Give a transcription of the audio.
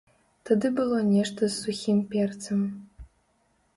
Тады было нешта з сухім перцам.